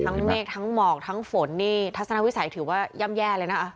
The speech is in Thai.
ทั้งเมกทั้งหมอกทั้งฝนทัศนวิสัยถือย่างแย่เลยนะ